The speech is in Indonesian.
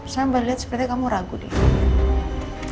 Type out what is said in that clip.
saya mbak liat seperti kamu ragu deh